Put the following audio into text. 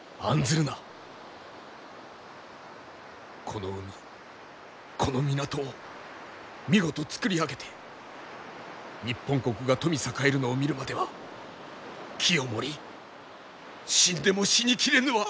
この海この港を見事造り上げて日本国が富み栄えるのを見るまでは清盛死んでも死にきれぬわ！